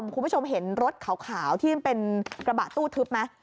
คุณผู้ชมเห็นรถขาวที่เป็นกระบะตู้ทึบไหม